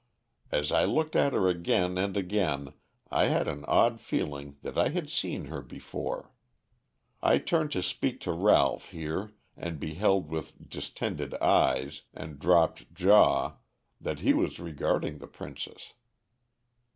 "As I looked at her again and again I had an odd feeling that I had seen her before. I turned to speak to Ralph here and beheld with distended eyes and dropped jaw that he was regarding the princess.